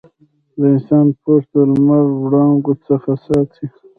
د انسان پوست د لمر د وړانګو څخه ساتي.